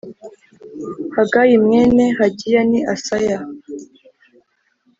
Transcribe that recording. Hagiya mwene Hagiya ni Asaya